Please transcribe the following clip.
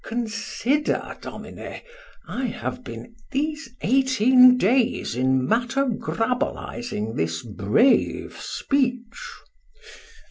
Consider, Domine, I have been these eighteen days in matagrabolizing this brave speech.